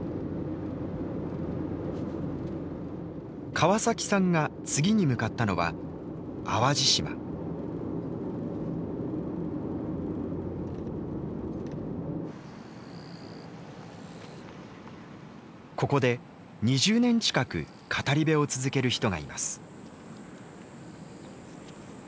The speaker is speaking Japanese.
川崎さんが次に向かったのはここで２０年近く語り部を続ける人がいます。